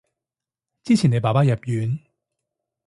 之前你爸爸入院